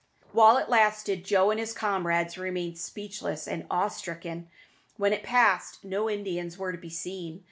While it lasted, Joe and his comrades remained speechless and awe stricken. When it passed, no Indians were to be seen.